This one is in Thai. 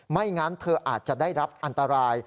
ไม่งั้นเธออาจจะได้รับอันตราย